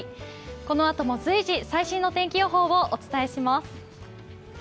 このあとも随時、最新の天気予報をお伝えします。